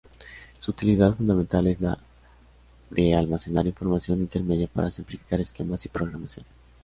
Su utilidad fundamental es la de almacenar información intermedia para simplificar esquemas y programación.